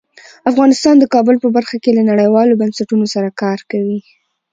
افغانستان د کابل په برخه کې له نړیوالو بنسټونو سره کار کوي.